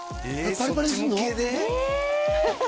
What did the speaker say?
パリパリにすんの？